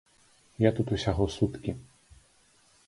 Я тут усяго суткі.